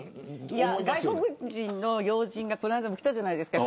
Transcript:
外国人の要人がこの間も来たじゃないですか。